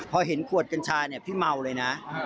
พอเห็นขวดกัญชาเนี่ยพี่เมาเลยนะ